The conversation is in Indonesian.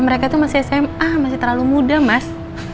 mereka itu masih sma masih terlalu muda mas